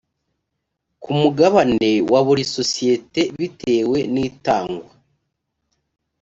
k umugabane wa buri sosiyete bitewe n itangwa